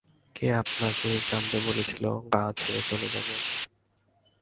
কে আপনাকে জানতে বলেছিল গাঁ ছেড়ে চলে যাব?